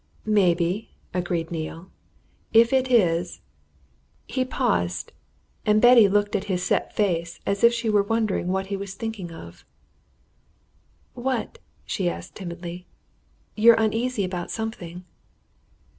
"Maybe," agreed Neale. "If it is " He paused, and Betty looked at his set face as if she were wondering what he was thinking of. "What?" she asked timidly. "You're uneasy about something."